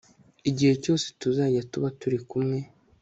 Igihe cyose tuzajya tuba turikumwe